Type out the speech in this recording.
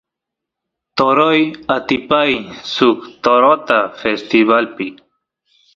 toroy atipay suk torota festivalpi